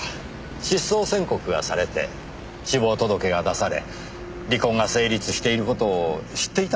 失踪宣告がされて死亡届が出され離婚が成立している事を知っていたのでしょうか？